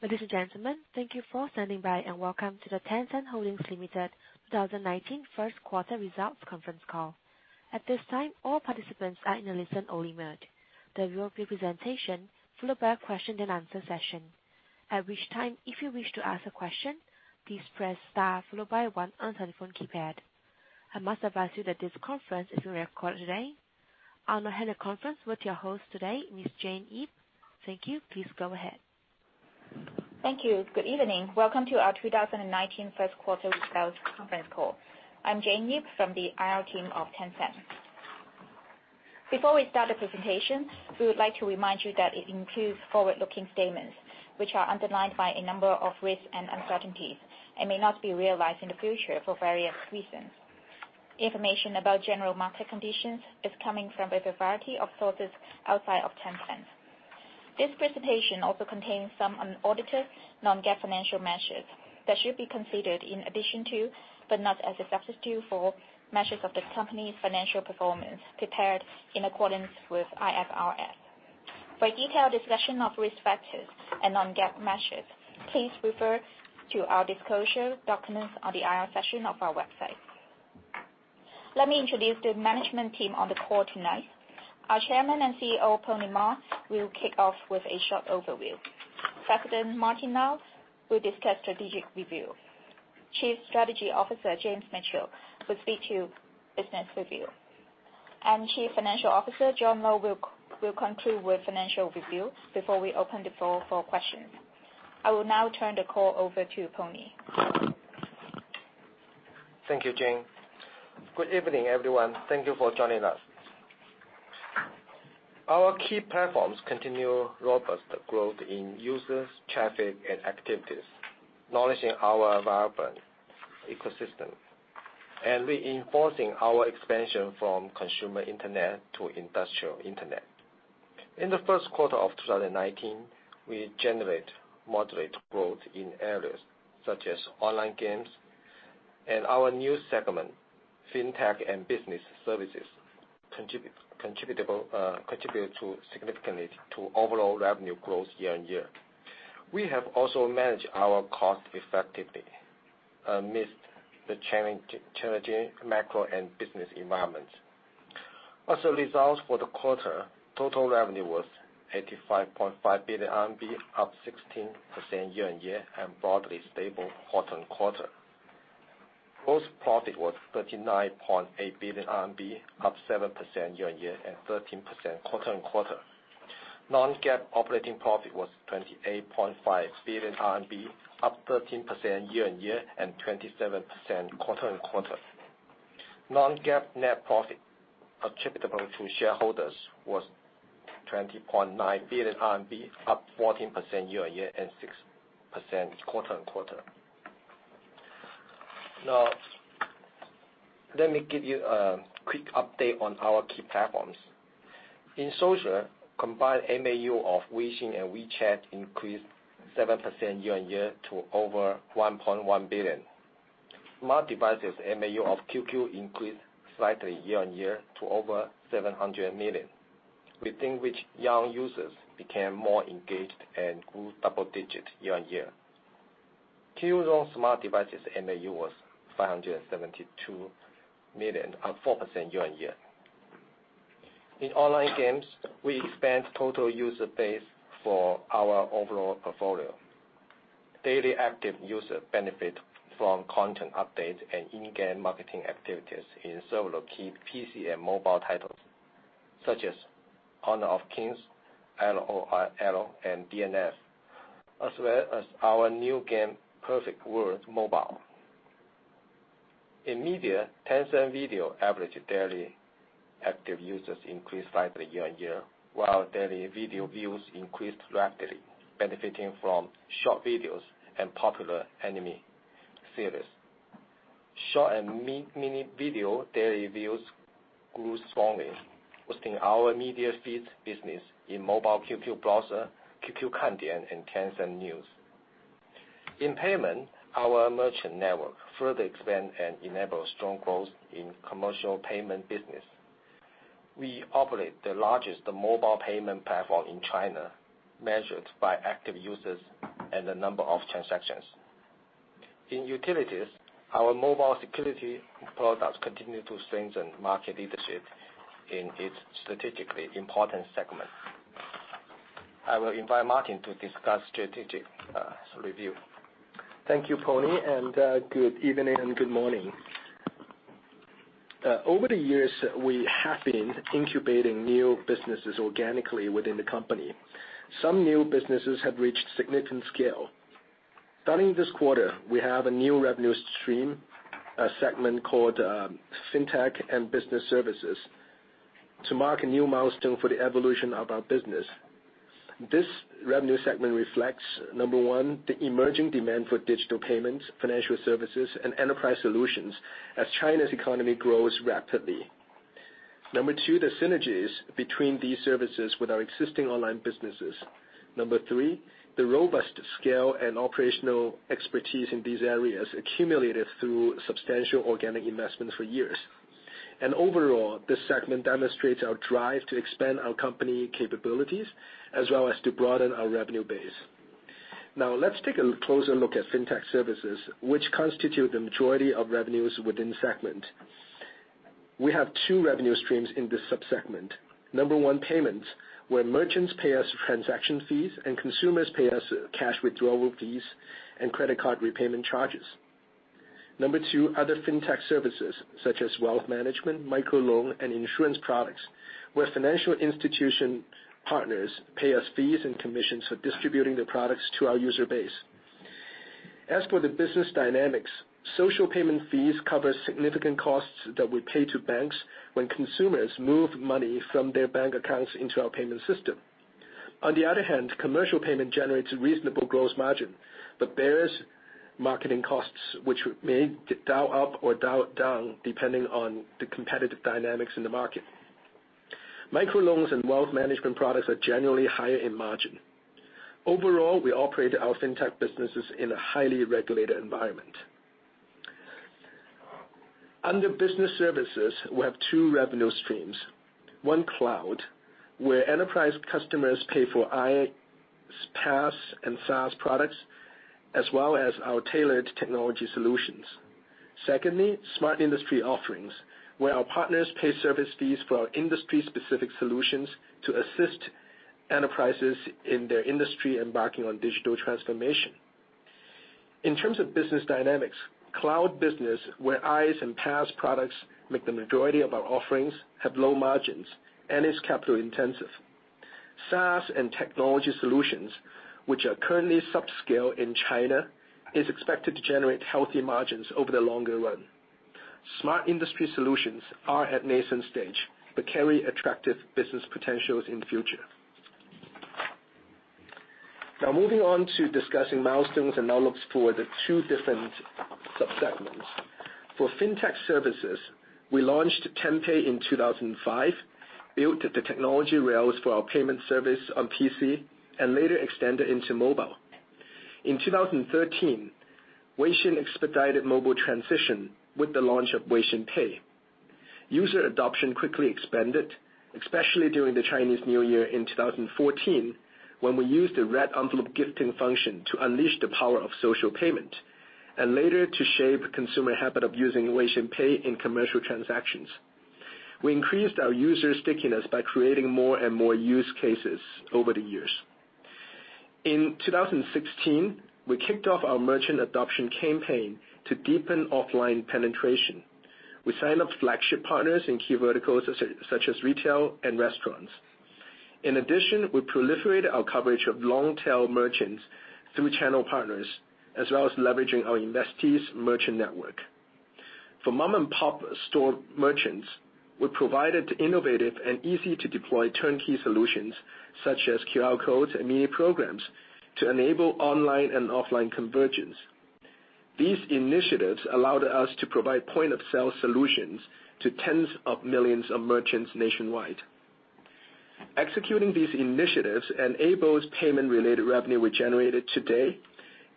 Ladies and gentlemen, thank you for standing by, and welcome to the Tencent Holdings Limited 2019 first quarter results conference call. At this time, all participants are in a listen-only mode. There will be a presentation followed by a question and answer session. At which time, if you wish to ask a question, please press star followed by one on your telephone keypad. I must advise you that this conference is being recorded today. I'll now hand the conference with your host today, Ms. Jane Yip. Thank you. Please go ahead. Thank you. Good evening. Welcome to our 2019 first quarter results conference call. I'm Jane Yip from the IR team of Tencent. Before we start the presentation, we would like to remind you that it includes forward-looking statements, which are underlined by a number of risks and uncertainties, and may not be realized in the future for various reasons. Information about general market conditions is coming from a variety of sources outside of Tencent. This presentation also contains some unaudited, non-GAAP financial measures that should be considered in addition to, but not as a substitute for, measures of the company's financial performance prepared in accordance with IFRS. For a detailed discussion of risk factors and non-GAAP measures, please refer to our disclosure documents on the IR section of our website. Let me introduce the management team on the call tonight. Our Chairman and CEO, Pony Ma, will kick off with a short overview. Second, Martin Lau will discuss strategic review. Chief Strategy Officer James Mitchell will speak to business review. Chief Financial Officer John Lo will conclude with financial review before we open the floor for questions. I will now turn the call over to Pony. Thank you, Jane. Good evening, everyone. Thank you for joining us. Our key platforms continue robust growth in users, traffic, and activities, acknowledging our vibrant ecosystem and reinforcing our expansion from consumer internet to industrial internet. In the first quarter of 2019, we generate moderate growth in areas such as online games and our new segment, FinTech and Business Services, contributed significantly to overall revenue growth year-on-year. We have also managed our cost effectively amidst the challenging macro and business environment. Also results for the quarter, total revenue was 85.5 billion RMB, up 16% year-on-year and broadly stable quarter-on-quarter. Gross profit was 39.8 billion RMB, up 7% year-on-year and 13% quarter-on-quarter. Non-GAAP operating profit was 28.5 billion RMB, up 13% year-on-year and 27% quarter-on-quarter. Non-GAAP net profit attributable to shareholders was 20.9 billion RMB, up 14% year-on-year and 6% quarter-on-quarter. Let me give you a quick update on our key platforms. In social, combined MAU of Weixin and WeChat increased 7% year-on-year to over 1.1 billion. Smart devices MAU of QQ increased slightly year-on-year to over 700 million, within which young users became more engaged and grew double digits year-on-year. Qzone smart devices MAU was 572 million, up 4% year-on-year. In online games, we expand total user base for our overall portfolio. Daily active user benefit from content updates and in-game marketing activities in several key PC and mobile titles, such as Honor of Kings, LOL, and DNF, as well as our new game, Perfect World Mobile. In media, Tencent Video average daily active users increased slightly year-on-year, while daily video views increased rapidly, benefiting from short videos and popular anime series. Short and mini video daily views grew strongly, boosting our media feed business in Mobile QQ browser, QQ Kandian, and Tencent News. In payment, our merchant network further expand and enable strong growth in commercial payment business. We operate the largest mobile payment platform in China, measured by active users and the number of transactions. In utilities, our mobile security products continue to strengthen market leadership in its strategically important segment. I will invite Martin to discuss strategic review. Thank you, Pony. Good evening and good morning. Over the years, we have been incubating new businesses organically within the company. Some new businesses have reached significant scale. Starting this quarter, we have a new revenue stream, a segment called FinTech and Business Services, to mark a new milestone for the evolution of our business. This revenue segment reflects, number one, the emerging demand for digital payments, financial services, and enterprise solutions as China's economy grows rapidly. Number two, the synergies between these services with our existing online businesses. Number three, the robust scale and operational expertise in these areas accumulated through substantial organic investment for years. Overall, this segment demonstrates our drive to expand our company capabilities as well as to broaden our revenue base. Now let's take a closer look at FinTech services, which constitute the majority of revenues within the segment. We have two revenue streams in this sub-segment. Number one, payments, where merchants pay us transaction fees and consumers pay us cash withdrawal fees and credit card repayment charges. Number two, other FinTech services such as wealth management, microloan, and insurance products, where financial institution partners pay us fees and commissions for distributing their products to our user base. As for the business dynamics, social payment fees cover significant costs that we pay to banks when consumers move money from their bank accounts into our payment system. On the other hand, commercial payment generates reasonable gross margin, but bears marketing costs, which may dial up or dial down depending on the competitive dynamics in the market. Microloans and wealth management products are generally higher in margin. Overall, we operate our FinTech businesses in a highly regulated environment. Under business services, we have two revenue streams. One, cloud, where enterprise customers pay for IaaS, PaaS, and SaaS products, as well as our tailored technology solutions. Secondly, smart industry offerings, where our partners pay service fees for our industry-specific solutions to assist enterprises in their industry embarking on digital transformation. In terms of business dynamics, cloud business, where IaaS and PaaS products make the majority of our offerings, have low margins and is capital intensive. SaaS and technology solutions, which are currently subscale in China, is expected to generate healthy margins over the longer run. Smart industry solutions are at nascent stage, but carry attractive business potentials in the future. Moving on to discussing milestones and outlooks for the two different sub-segments. For FinTech services, we launched TenPay in 2005, built the technology rails for our payment service on PC, and later extended into mobile. In 2013, Weixin expedited mobile transition with the launch of Weixin Pay. User adoption quickly expanded, especially during the Chinese New Year in 2014, when we used the red envelope gifting function to unleash the power of social payment, and later to shape consumer habit of using Weixin Pay in commercial transactions. We increased our user stickiness by creating more and more use cases over the years. In 2016, we kicked off our merchant adoption campaign to deepen offline penetration. We signed up flagship partners in key verticals such as retail and restaurants. In addition, we proliferated our coverage of long-tail merchants through channel partners, as well as leveraging our investees' merchant network. For mom-and-pop store merchants, we provided innovative and easy-to-deploy turnkey solutions such as QR codes and Mini Programs to enable online and offline convergence. These initiatives allowed us to provide point-of-sale solutions to tens of millions of merchants nationwide. Executing these initiatives enables payment-related revenue we generated today,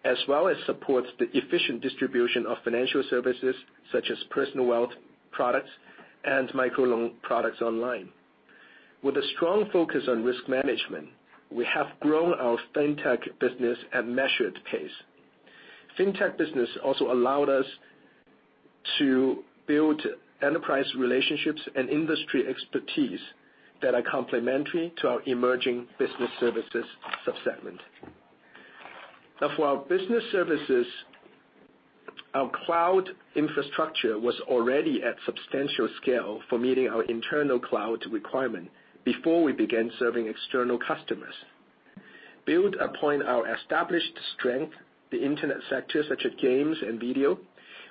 as well as supports the efficient distribution of financial services such as personal wealth products and micro-loan products online. With a strong focus on risk management, we have grown our FinTech business at measured pace. FinTech business also allowed us to build enterprise relationships and industry expertise that are complementary to our emerging business services sub-segment. Now for our business services, our cloud infrastructure was already at substantial scale for meeting our internal cloud requirement before we began serving external customers. Build upon our established strength, the internet sector such as games and video,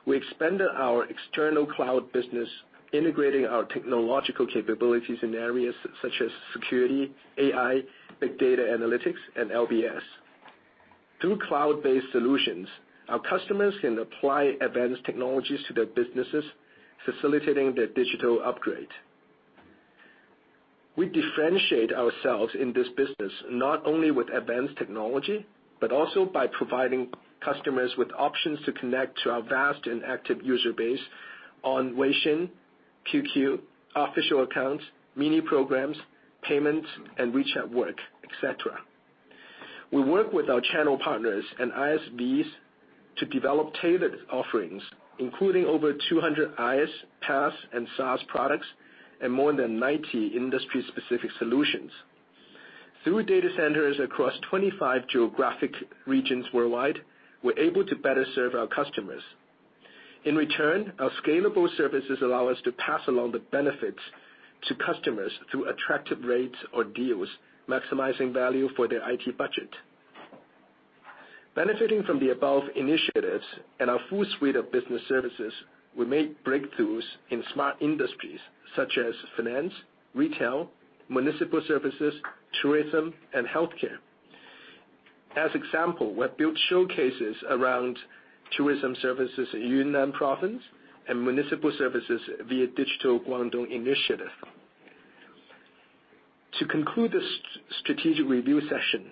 we expanded our external cloud business, integrating our technological capabilities in areas such as security, AI, big data analytics, and LBS. Through cloud-based solutions, our customers can apply advanced technologies to their businesses, facilitating their digital upgrade. We differentiate ourselves in this business not only with advanced technology, but also by providing customers with options to connect to our vast and active user base on Weixin, QQ, official accounts, Mini Programs, payment, and WeChat Work, et cetera. We work with our channel partners and ISVs to develop tailored offerings, including over 200 IaaS, PaaS, and SaaS products, and more than 90 industry-specific solutions. Through data centers across 25 geographic regions worldwide, we're able to better serve our customers. In return, our scalable services allow us to pass along the benefits to customers through attractive rates or deals, maximizing value for their IT budget. Benefiting from the above initiatives and our full suite of business services, we made breakthroughs in smart industries such as finance, retail, municipal services, tourism, and healthcare. As example, we have built showcases around tourism services in Yunnan province and municipal services via Digital Guangdong initiative. To conclude this strategic review session,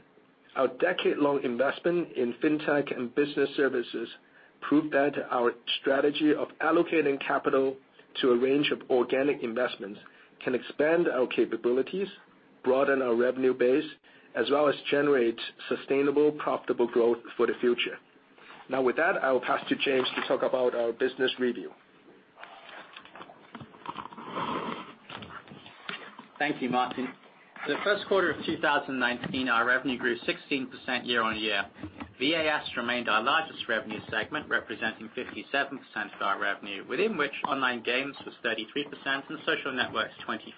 our decade-long investment in FinTech and Business Services prove that our strategy of allocating capital to a range of organic investments can expand our capabilities, broaden our revenue base, as well as generate sustainable, profitable growth for the future. With that, I will pass to James to talk about our business review. Thank you, Martin. For the first quarter of 2019, our revenue grew 16% year-on-year. VAS remained our largest revenue segment, representing 57% of our revenue, within which online games was 33% and social networks 24%.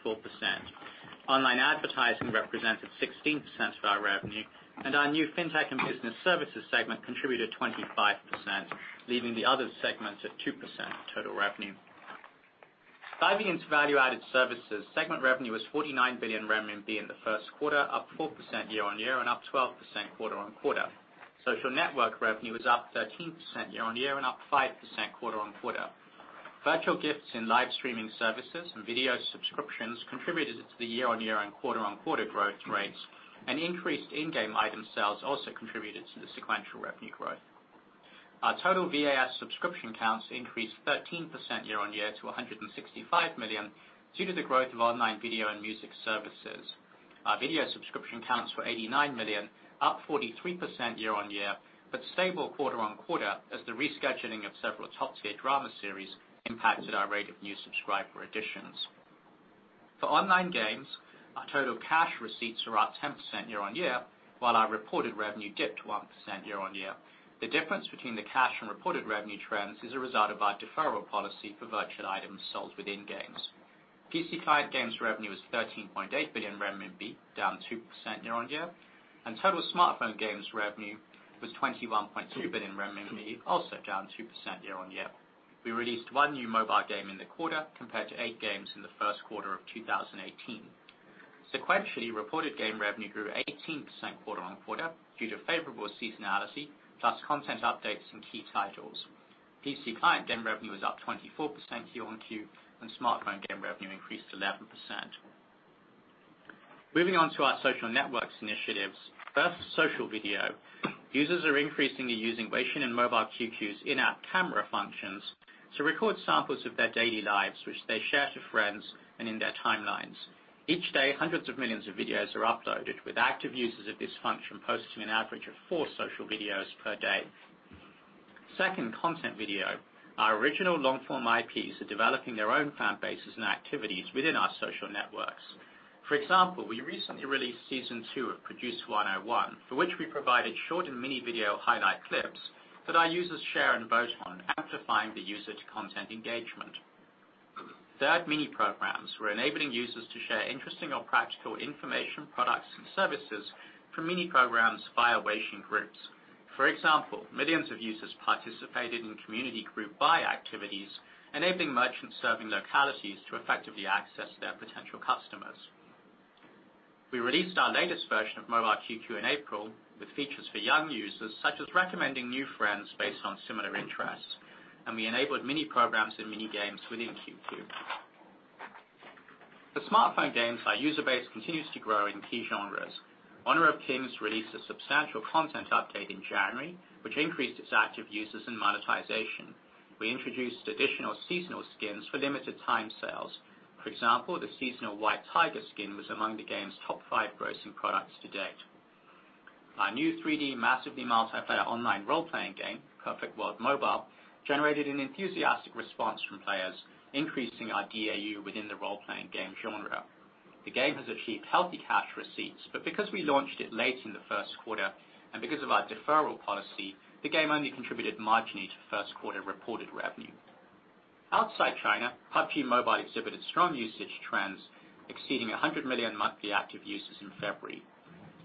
Online advertising represented 16% of our revenue, and our new FinTech and Business Services segment contributed 25%, leaving the other segments at 2% total revenue. Diving into value-added services, segment revenue was 49 billion RMB in the first quarter, up 4% year-on-year and up 12% quarter-on-quarter. Social network revenue was up 13% year-on-year and up 5% quarter-on-quarter. Virtual gifts in live streaming services and video subscriptions contributed to the year-on-year and quarter-on-quarter growth rates, and increased in-game item sales also contributed to the sequential revenue growth. Our total VAS subscription counts increased 13% year-on-year to 165 million due to the growth of online video and music services. Our video subscription counts were 89 million, up 43% year-on-year, but stable quarter-on-quarter as the rescheduling of several top-tier drama series impacted our rate of new subscriber additions. For online games, our total cash receipts were up 10% year-on-year, while our reported revenue dipped 1% year-on-year. The difference between the cash and reported revenue trends is a result of our deferral policy for virtual items sold within games. PC client games revenue was 13.8 billion RMB, down 2% year-on-year, and total smartphone games revenue was 21.2 billion RMB, also down 2% year-on-year. We released one new mobile game in the quarter compared to eight games in the first quarter of 2018. Sequentially, reported game revenue grew 18% quarter-on-quarter due to favorable seasonality, plus content updates and key titles. PC client game revenue was up 24% Q-on-Q, and smartphone game revenue increased 11%. Moving on to our social networks initiatives. First, social video. Users are increasingly using WeChat and Mobile QQ's in-app camera functions to record samples of their daily lives, which they share to friends and in their timelines. Each day, hundreds of millions of videos are uploaded, with active users of this function posting an average of four social videos per day. Second, content video. Our original long-form IPs are developing their own fan bases and activities within our social networks. For example, we recently released season two of Produce 101, for which we provided short and mini video highlight clips that our users share and vote on, amplifying the user-to-content engagement. Third, Mini Programs. We're enabling users to share interesting or practical information, products, and services from Mini Programs via WeChat groups. For example, millions of users participated in community group buy activities, enabling merchants serving localities to effectively access their potential customers. We released our latest version of Mobile QQ in April with features for young users, such as recommending new friends based on similar interests, and we enabled mini programs and mini-games within QQ. For smartphone games, our user base continues to grow in key genres. Honor of Kings released a substantial content update in January, which increased its active users and monetization. We introduced additional seasonal skins for limited time sales. For example, the seasonal white tiger skin was among the game's top five grossing products to date. Our new 3D massively multiplayer online role-playing game, Perfect World Mobile, generated an enthusiastic response from players, increasing our DAU within the role-playing game genre. The game has achieved healthy cash receipts, but because we launched it late in the first quarter and because of our deferral policy, the game only contributed marginally to first quarter reported revenue. Outside China, PUBG Mobile exhibited strong usage trends, exceeding 100 million monthly active users in February.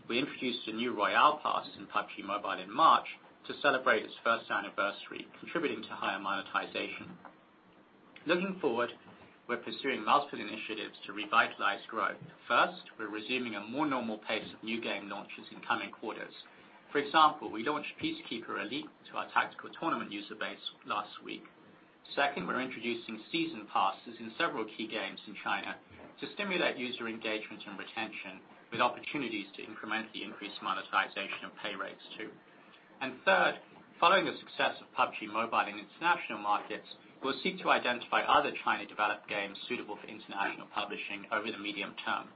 We introduced a new Royale Pass in PUBG Mobile in March to celebrate its first anniversary, contributing to higher monetization. Looking forward, we're pursuing multiple initiatives to revitalize growth. First, we're resuming a more normal pace of new game launches in coming quarters. For example, we launched Peacekeeper Elite to our tactical tournament user base last week. Second, we're introducing season passes in several key games in China to stimulate user engagement and retention with opportunities to incrementally increase monetization and pay rates too. Third, following the success of PUBG Mobile in international markets, we'll seek to identify other China-developed games suitable for international publishing over the medium term.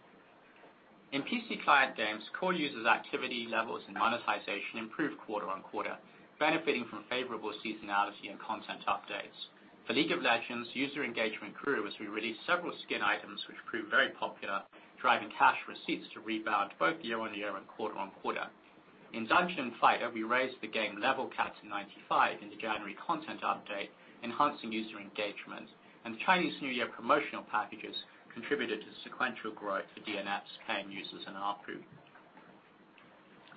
In PC client games, core users' activity levels and monetization improved quarter-on-quarter, benefiting from favorable seasonality and content updates. For League of Legends, user engagement grew as we released several skin items, which proved very popular, driving cash receipts to rebound both year-on-year and quarter-on-quarter. In Dungeon Fighter, we raised the game level caps in 95 in the January content update, enhancing user engagement, and the Chinese New Year promotional packages contributed to sequential growth for DNF's paying users and ARPU.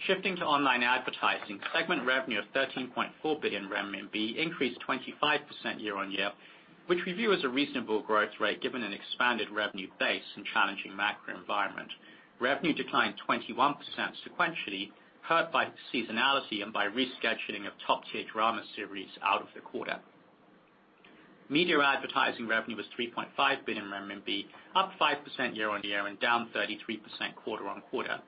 Shifting to online advertising, segment revenue of 13.4 billion renminbi increased 25% year-on-year, which we view as a reasonable growth rate given an expanded revenue base and challenging macro environment. Revenue declined 21% sequentially, hurt by seasonality and by rescheduling of top-tier drama series out of the quarter. Media advertising revenue was 3.5 billion RMB, up 5% year-on-year and down 33% quarter-on-quarter.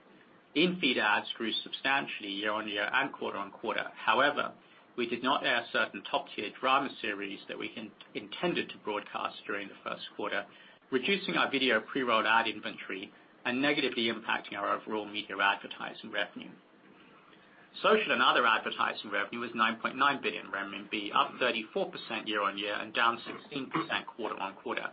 In-feed ads grew substantially year-on-year and quarter-on-quarter. We did not air certain top-tier drama series that we intended to broadcast during the first quarter, reducing our video pre-roll ad inventory and negatively impacting our overall media advertising revenue. Social and other advertising revenue was 9.9 billion renminbi, up 34% year-on-year and down 16% quarter-on-quarter.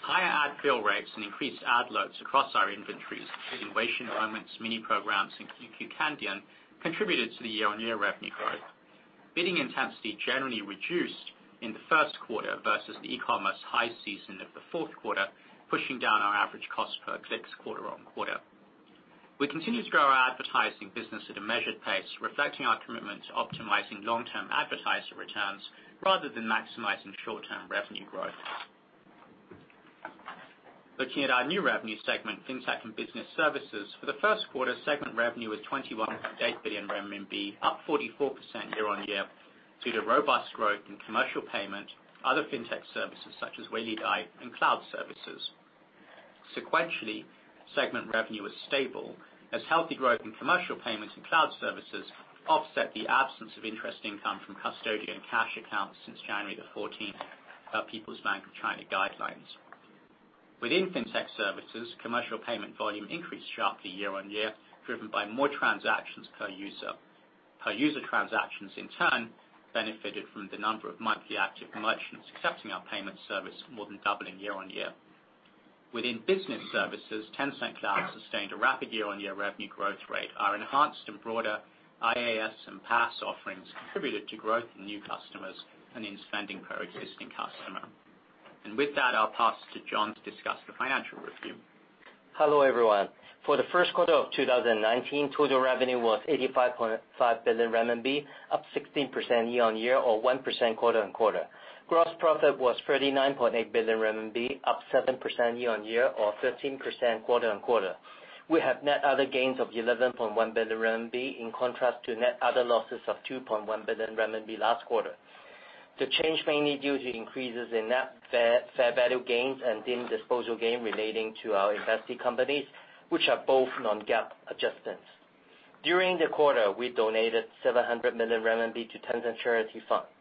Higher ad fill rates and increased ad loads across our inventories, including Weixin Moments, Weixin Mini Programs, and QQ Kandian, contributed to the year-on-year revenue growth. Bidding intensity generally reduced in the first quarter versus the e-commerce high season of the fourth quarter, pushing down our average cost per clicks quarter-on-quarter. We continue to grow our advertising business at a measured pace, reflecting our commitment to optimizing long-term advertiser returns rather than maximizing short-term revenue growth. Looking at our new revenue segment, FinTech and Business Services. For the first quarter, segment revenue was 21.8 billion RMB, up 44% year-on-year due to robust growth in commercial payment, other FinTech services such as WeiLiDai, and cloud services. Sequentially, segment revenue was stable as healthy growth in commercial payments and cloud services offset the absence of interest income from custodian cash accounts since January 14th, by People's Bank of China guidelines. Within FinTech services, commercial payment volume increased sharply year-on-year, driven by more transactions per user. Per user transactions in turn benefited from the number of monthly active merchants accepting our payment service, more than doubling year-on-year. Within business services, Tencent Cloud sustained a rapid year-on-year revenue growth rate. Our enhanced and broader IaaS and PaaS offerings contributed to growth in new customers and in spending per existing customer. With that, I'll pass to John to discuss the financial review. Hello, everyone. For the first quarter of 2019, total revenue was 85.5 billion RMB, up 16% year-on-year or 1% quarter-on-quarter. Gross profit was 39.8 billion RMB, up 7% year-on-year or 13% quarter-on-quarter. We have net other gains of 11.1 billion RMB in contrast to net other losses of 2.1 billion RMB last quarter. The change mainly due to increases in net fair value gains and dim disposal gain relating to our invested companies, which are both non-GAAP adjustments. During the quarter, we donated 700 million RMB to Tencent Charity Foundation.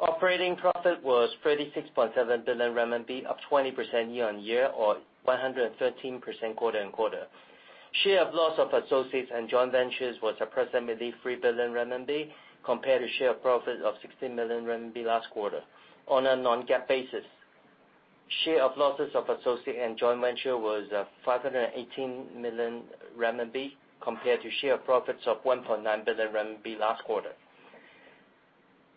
Operating profit was 36.7 billion RMB, up 20% year-on-year or 113% quarter-on-quarter. Share of loss of associates and joint ventures was approximately 3 billion RMB compared to share of profit of 16 million RMB last quarter. On a non-GAAP basis, share of losses of associate and joint venture was 518 million RMB compared to share profits of 1.9 billion RMB last quarter.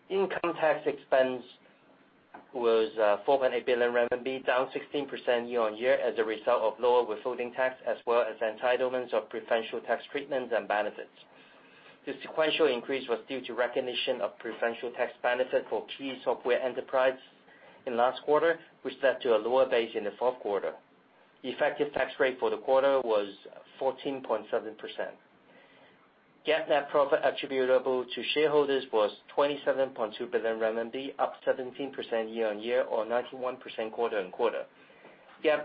Income tax expense was 4.8 billion RMB, down 16% year-on-year as a result of lower withholding tax as well as entitlements of preferential tax treatments and benefits. The sequential increase was due to recognition of preferential tax benefit for key software enterprise in last quarter, which led to a lower base in the fourth quarter. Effective tax rate for the quarter was 14.7%. GAAP net profit attributable to shareholders was 27.2 billion RMB, up 17% year-on-year or 91% quarter-on-quarter. GAAP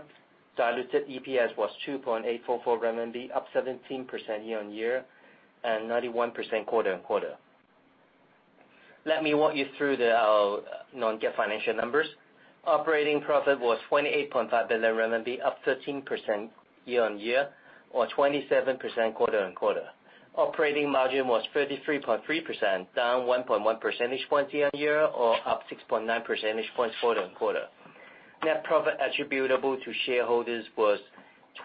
diluted EPS was 2.844 RMB, up 17% year-on-year and 91% quarter-on-quarter. Let me walk you through the non-GAAP financial numbers. Operating profit was 28.5 billion RMB, up 13% year-on-year or 27% quarter-on-quarter. Operating margin was 33.3%, down 1.1 percentage points year-on-year or up 6.9 percentage points quarter-on-quarter. Net profit attributable to shareholders was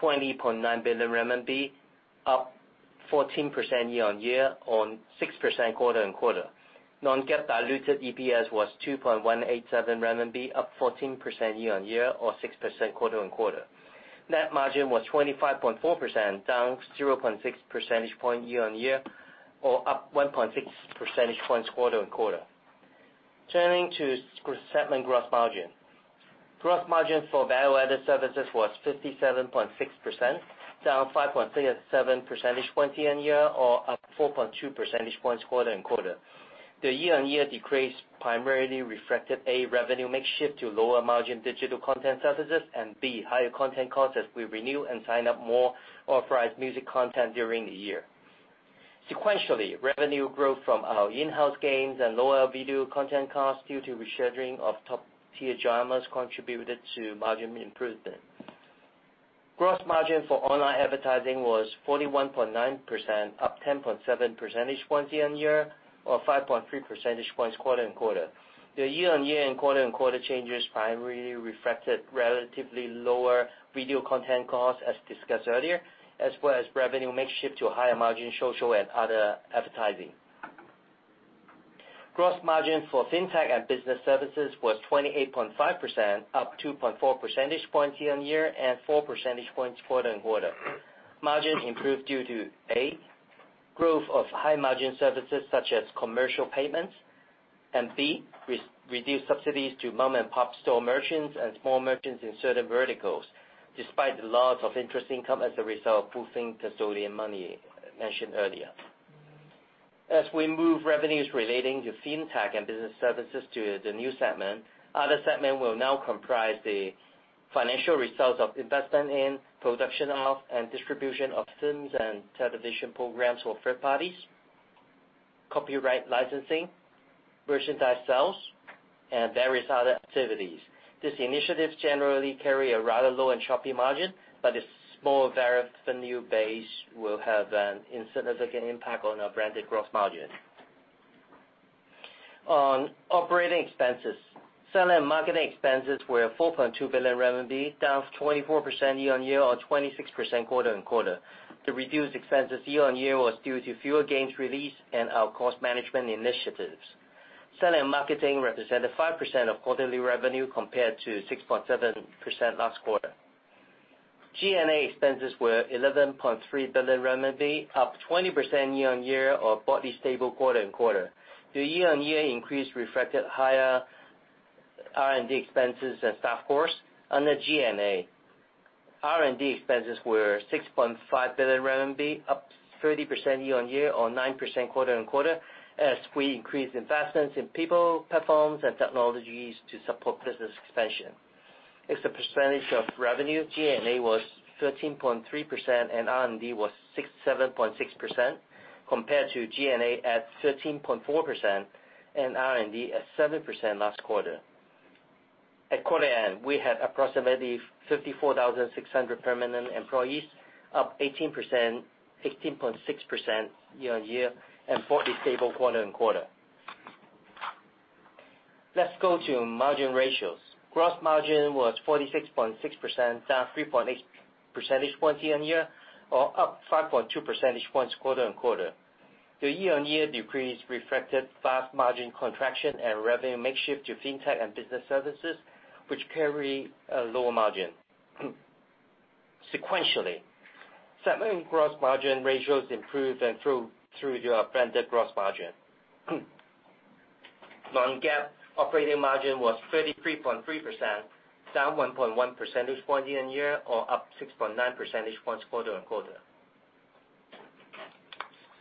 20.9 billion RMB, up 14% year-on-year or 6% quarter-on-quarter. Non-GAAP diluted EPS was 2.187 renminbi, up 14% year-on-year or 6% quarter-on-quarter. Net margin was 25.4%, down 0.6 percentage point year-on-year or up 1.6 percentage points quarter-on-quarter. Turning to segment gross margin. Gross margin for value-added services was 57.6%, down 5.7 percentage points year-on-year or up 4.2 percentage points quarter-on-quarter. The year-on-year decrease primarily reflected, A. revenue mix shift to lower margin digital content services, and B. higher content costs as we renew and sign up more authorized music content during the year. Sequentially, revenue growth from our in-house gains and lower video content costs due to rescheduling of top-tier dramas contributed to margin improvement. Gross margin for online advertising was 41.9%, up 10.7 percentage points year-on-year or 5.3 percentage points quarter-on-quarter. The year-on-year and quarter-on-quarter changes primarily reflected relatively lower video content costs as discussed earlier, as well as revenue mix shift to higher margin social and other advertising. Gross margin for FinTech and Business Services was 28.5%, up 2.4 percentage points year-on-year and 4 percentage points quarter-on-quarter. Margin improved due to, A, growth of high margin services such as commercial payments, and B, reduced subsidies to mom-and-pop store merchants and small merchants in certain verticals, despite the loss of interest income as a result of pulling custodian money mentioned earlier. As we move revenues relating to FinTech and Business Services to the new segment, other segment will now comprise the financial results of investment in production of, and distribution of films and television programs for third parties, copyright licensing, merchandise sales, and various other activities. These initiatives generally carry a rather low and choppy margin, but its small revenue base will have an insignificant impact on our branded gross margin. On operating expenses, selling and marketing expenses were 4.2 billion RMB, down 24% year-on-year or 26% quarter-on-quarter. The reduced expenses year-on-year was due to fewer games released and our cost management initiatives. Selling and marketing represented 5% of quarterly revenue compared to 6.7% last quarter. G&A expenses were 11.3 billion RMB, up 20% year-on-year or broadly stable quarter-on-quarter. The year-on-year increase reflected higher R&D expenses and staff costs under G&A. R&D expenses were 6.5 billion RMB, up 30% year-on-year or 9% quarter-on-quarter, as we increased investments in people, platforms, and technologies to support business expansion. As a percentage of revenue, G&A was 13.3% and R&D was 7.6%, compared to G&A at 13.4% and R&D at 7% last quarter. At quarter end, we had approximately 54,600 permanent employees, up 18.6% year-on-year and broadly stable quarter-on-quarter. Let's go to margin ratios. Gross margin was 46.6%, down 3.8 percentage points year-on-year or up 5.2 percentage points quarter-on-quarter. The year-on-year decrease reflected fast margin contraction and revenue mix shift to FinTech and Business Services, which carry a lower margin. Sequentially, segment gross margin ratios improved and through your blended gross margin. Non-GAAP operating margin was 33.3%, down 1.1 percentage point year-on-year or up 6.9 percentage points quarter-on-quarter.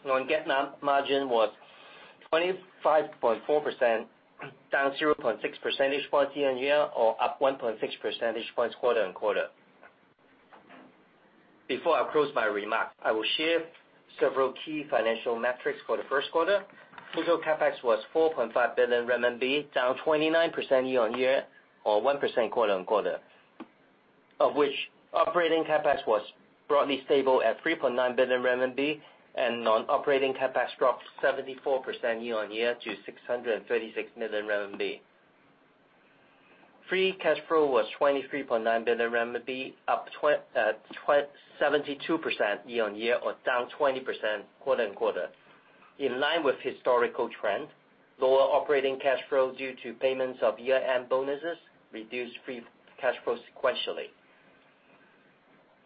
Non-GAAP net margin was 25.4%, down 0.6 percentage points year-on-year or up 1.6 percentage points quarter-on-quarter. Before I close my remarks, I will share several key financial metrics for the first quarter. Total CapEx was 4.5 billion RMB, down 29% year-on-year or 1% quarter-on-quarter. Of which operating CapEx was broadly stable at 3.9 billion RMB and non-operating CapEx dropped 74% year-on-year to 636 million RMB. Free cash flow was 23.9 billion RMB, up 72% year-on-year or down 20% quarter-on-quarter. In line with historical trends, lower operating cash flow due to payments of year-end bonuses reduced free cash flow sequentially.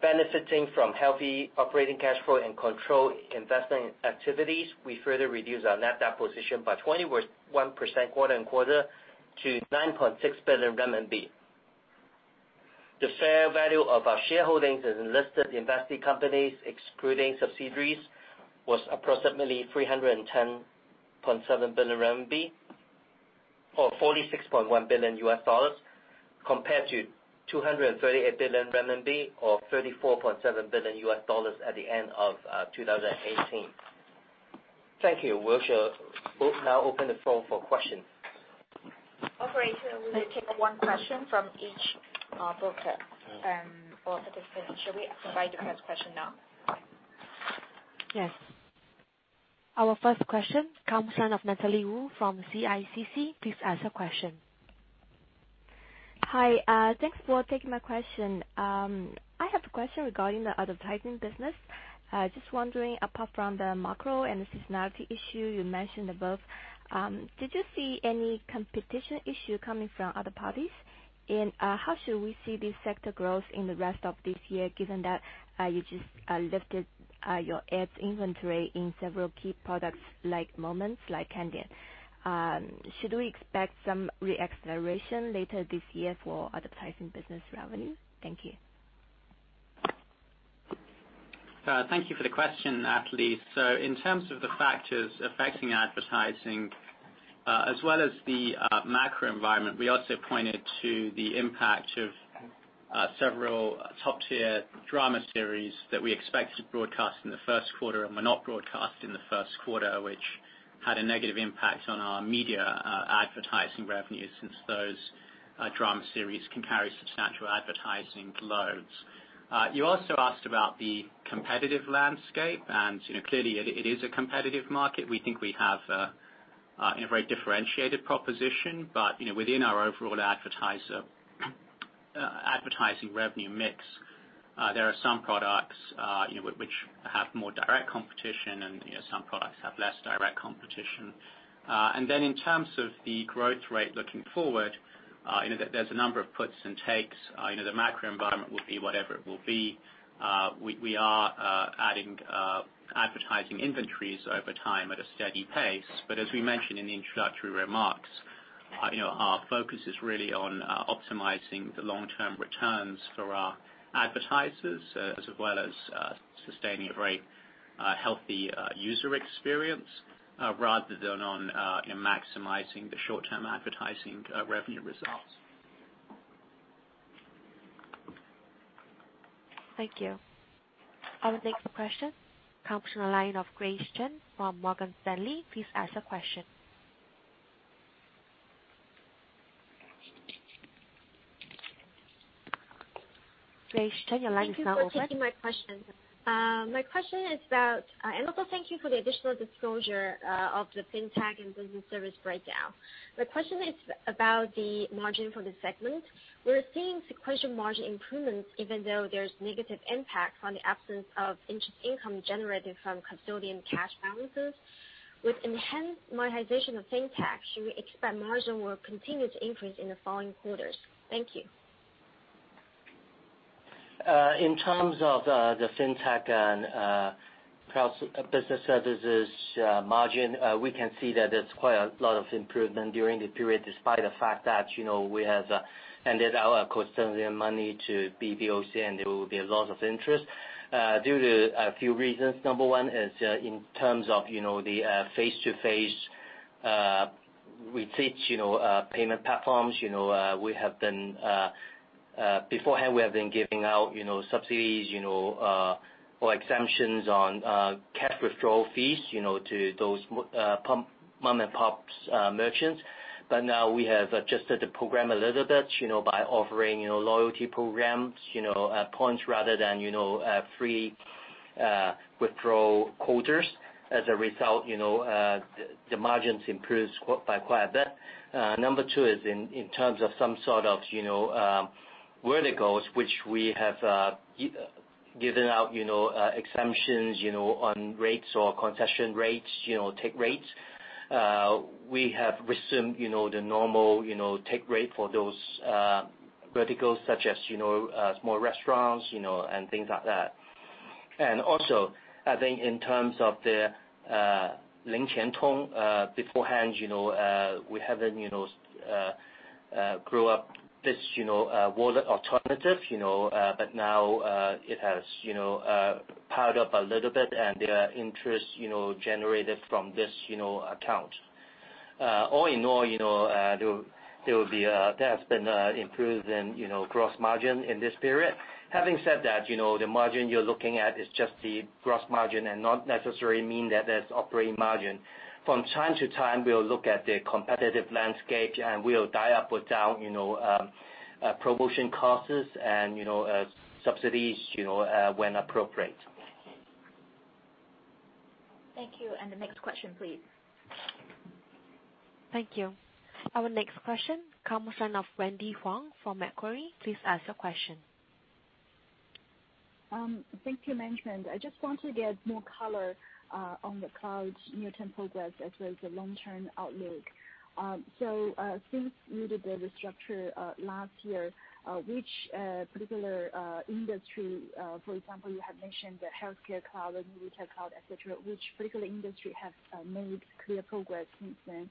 Benefiting from healthy operating cash flow and controlled investment activities, we further reduced our net debt position by 21% quarter-on-quarter to 9.6 billion RMB. The fair value of our shareholdings in unlisted investee companies, excluding subsidiaries, was approximately 310.7 billion RMB or $46.1 billion, compared to 238 billion RMB or $34.7 billion at the end of 2018. Thank you. We'll now open the floor for questions. Operator, we will take one question from each broker or participant. Should we invite the first question now? Yes. Our first question comes in of Natalie Wu from CICC. Please ask your question. Hi. Thanks for taking my question. I have a question regarding the advertising business. Just wondering, apart from the macro and seasonality issue you mentioned above, did you see any competition issue coming from other parties? How should we see the sector growth in the rest of this year, given that you just lifted your ads inventory in several key products like Moments, like Kandian? Should we expect some re-acceleration later this year for advertising business revenue? Thank you. Thank you for the question, Natalie. In terms of the factors affecting advertising, as well as the macro environment, we also pointed to the impact of several top-tier drama series that we expected to broadcast in the first quarter and were not broadcast in the first quarter, which had a negative impact on our media advertising revenue since those drama series can carry substantial advertising loads. You also asked about the competitive landscape, clearly it is a competitive market. We think we have a very differentiated proposition. Within our overall advertising revenue mix, there are some products which have more direct competition and some products have less direct competition. In terms of the growth rate looking forward, there's a number of puts and takes. The macro environment will be whatever it will be. We are adding advertising inventories over time at a steady pace. As we mentioned in the introductory remarks. Our focus is really on optimizing the long-term returns for our advertisers, as well as sustaining a very healthy user experience rather than on maximizing the short-term advertising revenue results. Thank you. Our next question comes from the line of Grace Chen from Morgan Stanley. Please ask your question. Grace Chen, your line is now open. Thank you for taking my question. Also thank you for the additional disclosure of the FinTech and Business Services breakdown. My question is about the margin for the segment. We're seeing sequential margin improvements even though there's negative impact on the absence of interest income generated from custodian cash balances. With enhanced monetization of FinTech, should we expect margin will continue to increase in the following quarters? Thank you. In terms of the FinTech and Business Services margin, we can see that there's quite a lot of improvement during the period, despite the fact that we have ended our custodian money to PBOC and there will be a loss of interest due to a few reasons. Number 1 is in terms of the face-to-face retail payment platforms. Beforehand, we have been giving out subsidies or exemptions on cash withdrawal fees to those mom-and-pops merchants. Now we have adjusted the program a little bit by offering loyalty programs, points rather than free withdrawal quotas. As a result, the margins improved by quite a bit. Number 2 is in terms of some sort of verticals, which we have given out exemptions on rates or concession rates, take rates. We have resumed the normal take rate for those verticals such as small restaurants and things like that. Also, I think in terms of the LingQianTong, beforehand we haven't grew up this wallet alternative, now it has powered up a little bit and there are interests generated from this account. All in all, there has been improvement in gross margin in this period. Having said that, the margin you're looking at is just the gross margin and not necessarily mean that it's operating margin. From time to time, we'll look at the competitive landscape and we'll dial up or down promotion costs and subsidies when appropriate. Thank you. The next question, please. Thank you. Our next question comes from Wendy Huang from Macquarie. Please ask your question. Thank you, management. I just want to get more color on the cloud near-term progress as well as the long-term outlook. Since you did the restructure last year, which particular industry, for example, you had mentioned the healthcare cloud and retail cloud, et cetera, which particular industry have made clear progress since then?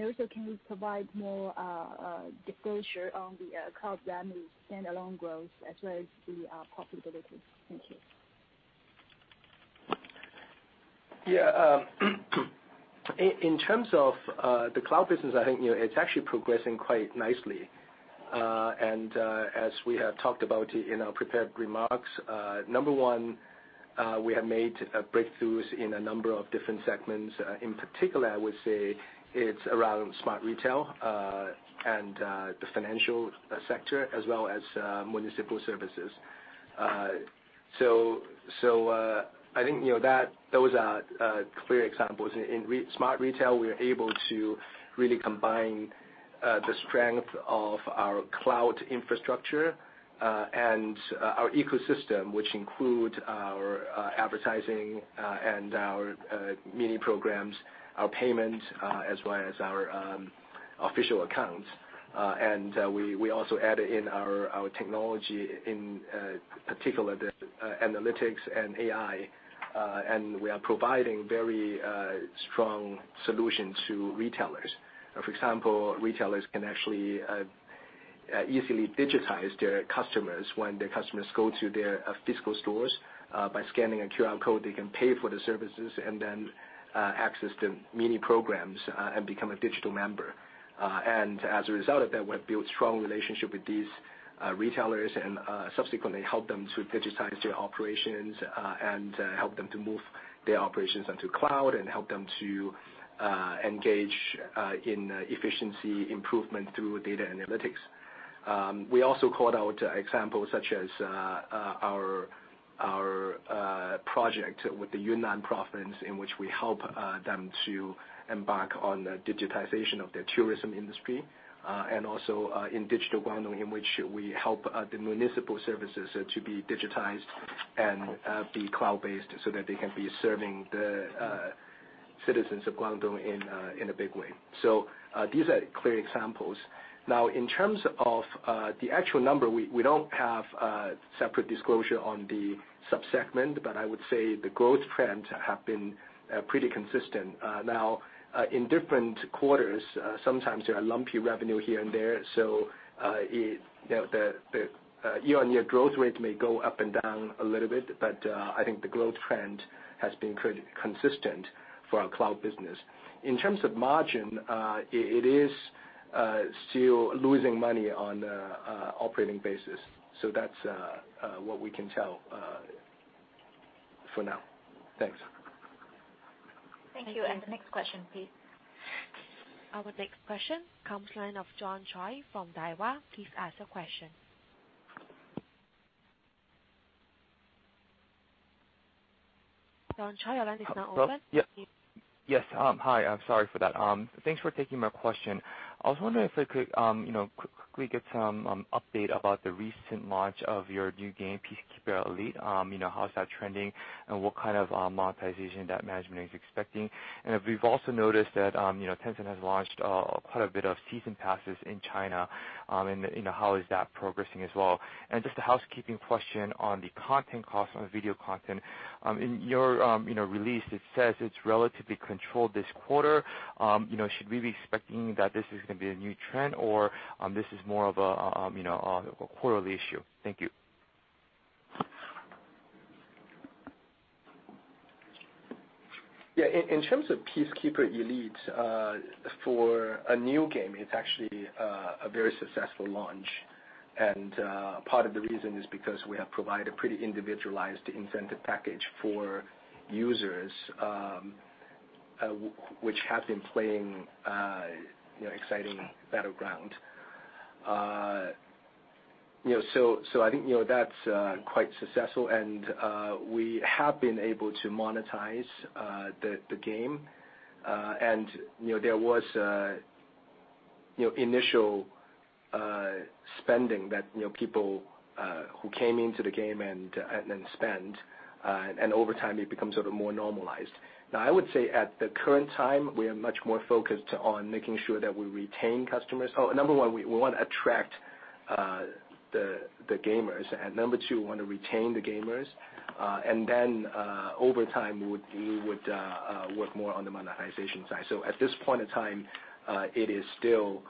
Also, can you provide more disclosure on the cloud revenue standalone growth as well as the profitability? Thank you. In terms of the cloud business, I think it's actually progressing quite nicely. As we have talked about in our prepared remarks, number one, we have made breakthroughs in a number of different segments. In particular, I would say it's around smart retail and the financial sector as well as municipal services. I think those are clear examples. In smart retail, we are able to really combine the strength of our cloud infrastructure and our ecosystem, which include our advertising and our mini programs, our payment, as well as our official accounts. We also added in our technology, in particular the analytics and AI, and we are providing very strong solution to retailers. For example, retailers can actually easily digitize their customers when their customers go to their physical stores. By scanning a QR code, they can pay for the services and then access the mini programs and become a digital member. As a result of that, we have built strong relationship with these retailers and subsequently help them to digitize their operations and help them to move their operations onto cloud and help them to engage in efficiency improvement through data analytics. We also called out examples such as our project with the Yunnan province, in which we help them to embark on the digitization of their tourism industry, also in Digital Guangdong, in which we help the municipal services to be digitized and be cloud-based so that they can be serving the citizens of Guangdong in a big way. These are clear examples. In terms of the actual number, we don't have a separate disclosure on the sub-segment, I would say the growth trends have been pretty consistent. In different quarters, sometimes there are lumpy revenue here and there, the year-on-year growth rate may go up and down a little bit, I think the growth trend has been pretty consistent for our cloud business. In terms of margin, it is still losing money on operating basis. That's what we can tell for now. Thanks. Thank you. The next question, please. Our next question comes line of John Choi from Daiwa. Please ask your question. John Choi, your line is now open. Hello? Yes. Hi, I'm sorry for that. Thanks for taking my question. I was wondering if I could quickly get some update about the recent launch of your new game, Peacekeeper Elite. How's that trending, and what kind of monetization that management is expecting? We've also noticed that Tencent has launched quite a bit of season passes in China, and how is that progressing as well? Just a housekeeping question on the content cost on video content. In your release, it says it's relatively controlled this quarter. Should we be expecting that this is going to be a new trend, or this is more of a quarterly issue? Thank you. Yeah. In terms of Peacekeeper Elite, for a new game, it's actually a very successful launch. Part of the reason is because we have provided pretty individualized incentive package for users, which have been playing Exciting Battleground. I think that's quite successful, and we have been able to monetize the game. There was initial spending that people who came into the game and then spend, and over time it becomes sort of more normalized. Now, I would say at the current time, we are much more focused on making sure that we retain customers. Oh, number 1, we want to attract the gamers, and number 2, we want to retain the gamers. Then, over time, we would work more on the monetization side. At this point in time, it is still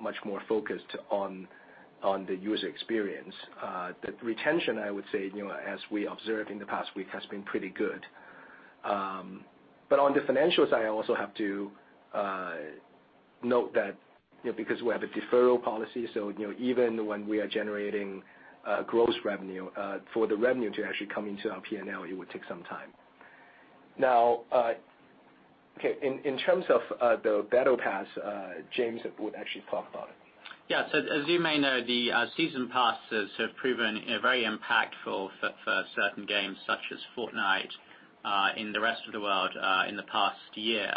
much more focused on the user experience. The retention, I would say, as we observed in the past week, has been pretty good. On the financial side, I also have to note that because we have a deferral policy, even when we are generating gross revenue, for the revenue to actually come into our P&L, it would take some time. In terms of the battle pass, James would actually talk about it. As you may know, the season passes have proven very impactful for certain games, such as Fortnite in the rest of the world in the past year.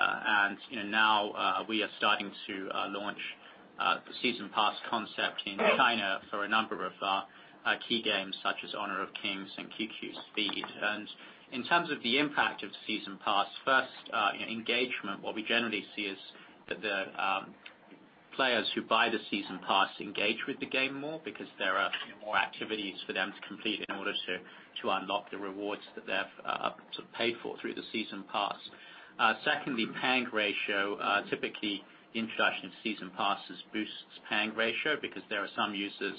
Now we are starting to launch a season pass concept in China for a number of our key games, such as Honor of Kings and QQ Speed. In terms of the impact of season pass, first engagement, what we generally see is that the players who buy the season pass engage with the game more because there are more activities for them to complete in order to unlock the rewards that they have paid for through the season pass. Secondly, paying ratio. Typically, introduction of season passes boosts paying ratio because there are some users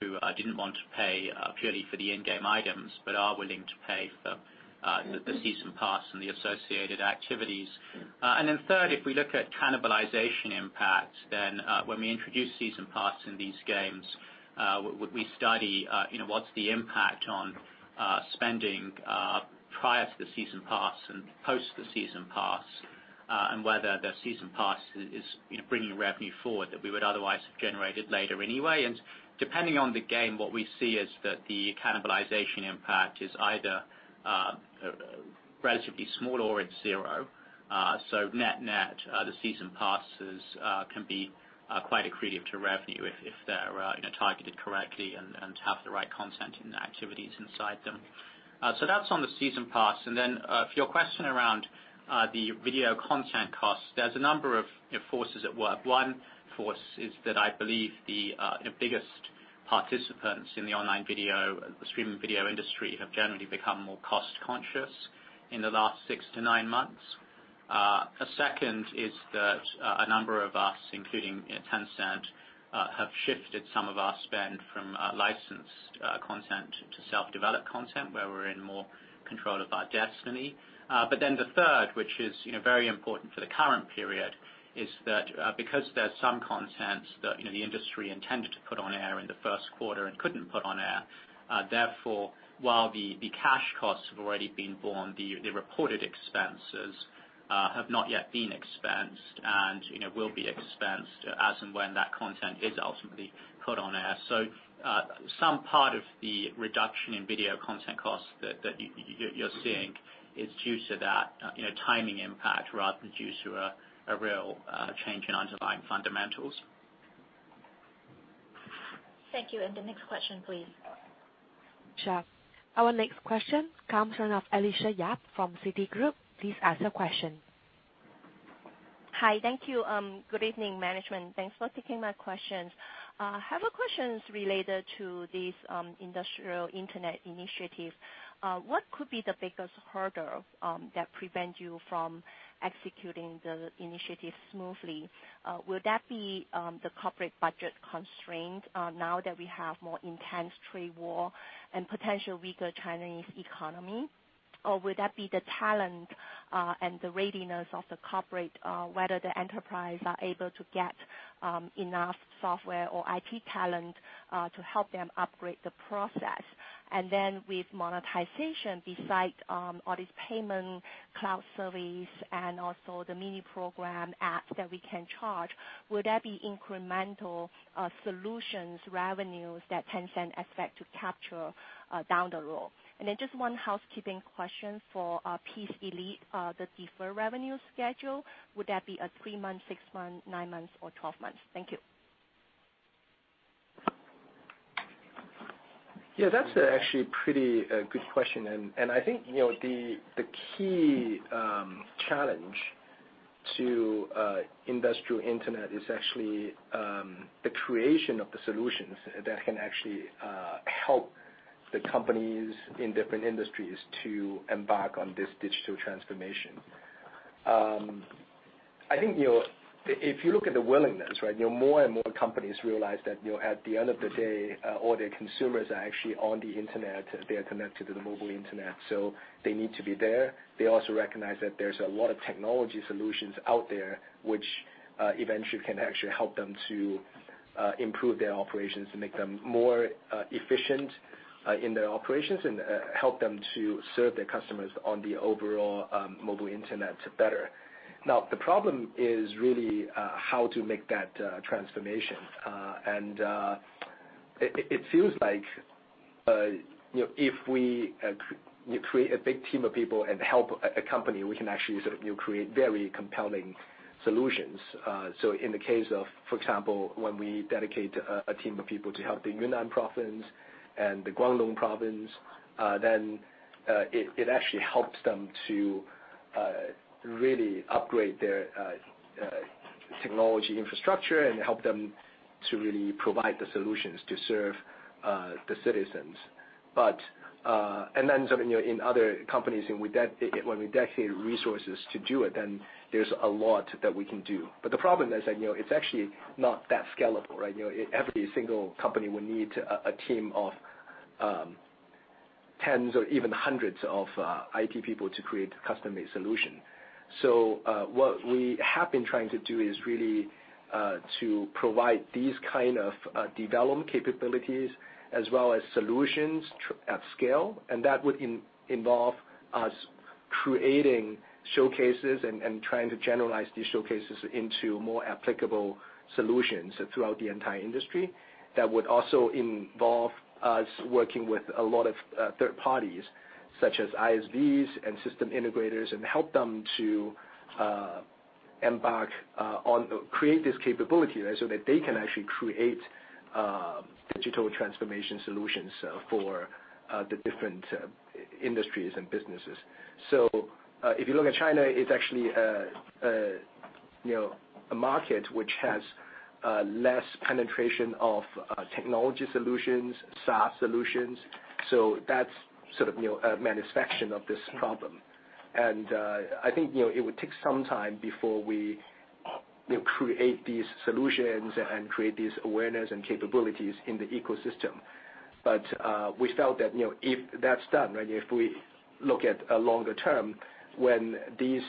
who didn't want to pay purely for the in-game items, but are willing to pay for the season pass and the associated activities. Third, if we look at cannibalization impact, when we introduce season passes in these games, we study what's the impact on spending prior to the season pass and post the season pass, and whether the season pass is bringing revenue forward that we would otherwise have generated later anyway. Depending on the game, what we see is that the cannibalization impact is either relatively small or it's zero. Net-net, the season passes can be quite accretive to revenue if they're targeted correctly and have the right content and activities inside them. That's on the season pass. For your question around the video content cost, there's a number of forces at work. One force is that I believe the biggest participants in the online video, the streaming video industry, have generally become more cost-conscious in the last six to nine months. A second is that a number of us, including Tencent, have shifted some of our spend from licensed content to self-developed content where we're in more control of our destiny. The third, which is very important for the current period, is that because there's some content that the industry intended to put on air in the first quarter and couldn't put on air, therefore, while the cash costs have already been borne, the reported expenses have not yet been expensed and will be expensed as and when that content is ultimately put on air. Some part of the reduction in video content costs that you're seeing is due to that timing impact rather than due to a real change in underlying fundamentals. Thank you. The next question, please. Sure. Our next question comes from Alicia Yap from Citigroup. Please ask your question. Hi. Thank you. Good evening, Management. Thanks for taking my questions. I have a question related to this Industrial Internet Initiative. What could be the biggest hurdle that prevents you from executing the initiative smoothly? Would that be the corporate budget constraint now that we have more intense trade war and potential weaker Chinese economy? Or would that be the talent and the readiness of the corporate, whether the enterprise are able to get enough software or IT talent to help them upgrade the process? With monetization, besides all this payment, cloud service, and also the Mini Program apps that we can charge, would there be incremental solutions revenues that Tencent expects to capture down the road? Just one housekeeping question for Peacekeeper Elite, the deferred revenue schedule. Would that be a three-month, six-month, nine months, or 12 months? Thank you. Yeah, that's actually a pretty good question. I think the key challenge to industrial internet is actually the creation of the solutions that can actually help the companies in different industries to embark on this digital transformation. I think if you look at the willingness, more and more companies realize that at the end of the day, all their consumers are actually on the internet. They are connected to the mobile internet, so they need to be there. They also recognize that there's a lot of technology solutions out there, which eventually can actually help them to improve their operations and make them more efficient in their operations and help them to serve their customers on the overall mobile internet better. Now, the problem is really how to make that transformation. It feels like if we create a big team of people and help a company, we can actually create very compelling solutions. In the case of, for example, when we dedicate a team of people to help the Yunnan province and the Guangdong province, it actually helps them to really upgrade their technology infrastructure and help them to really provide the solutions to serve the citizens. In other companies, when we dedicate resources to do it, there's a lot that we can do. The problem is that it's actually not that scalable. Every single company will need a team of tens or even hundreds of IT people to create a custom-made solution. What we have been trying to do is really to provide these kind of development capabilities as well as solutions at scale, that would involve us creating showcases and trying to generalize these showcases into more applicable solutions throughout the entire industry. That would also involve us working with a lot of third parties, such as ISVs and system integrators, and help them to create this capability so that they can actually create digital transformation solutions for the different industries and businesses. If you look at China, it's actually a market which has less penetration of technology solutions, SaaS solutions. That's sort of a manifestation of this problem. I think it would take some time before we create these solutions and create this awareness and capabilities in the ecosystem. We felt that if that's done, if we look at longer term, when these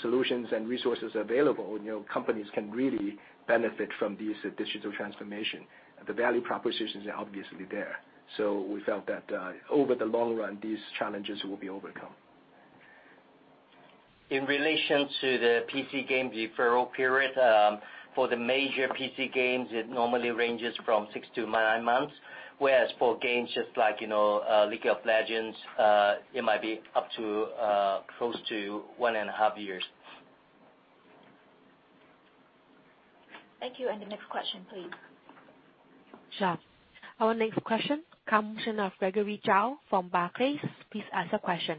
solutions and resources are available, companies can really benefit from these digital transformation. The value propositions are obviously there. We felt that over the long run, these challenges will be overcome. In relation to the PC game deferral period, for the major PC games, it normally ranges from six to nine months, whereas for games just like League of Legends, it might be up to close to one and a half years. Thank you. The next question, please. Sure. Our next question comes in of Gregory Zhao from Barclays. Please ask the question.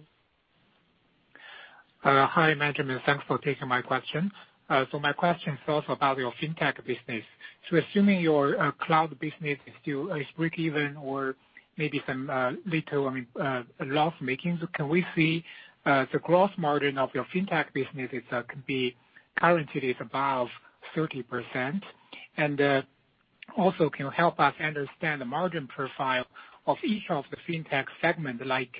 Hi, management. Thanks for taking my question. My question is also about your FinTech business. Assuming your cloud business is breakeven or maybe some little loss-making, can we see the gross margin of your FinTech business currently is above 30%? Can you help us understand the margin profile of each of the FinTech segment, like